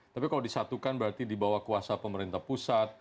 tapi kalau disatukan berarti dibawa kuasa pemerintah pusat